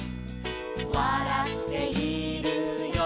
「わらっているよ」